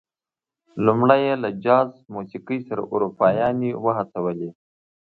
لومړی یې له جاز موسيقۍ سره اروپايانې وهڅولې.